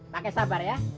pakai sabar ya